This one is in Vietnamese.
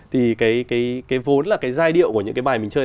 thì cái vốn là cái giai điệu của những cái bài mình chơi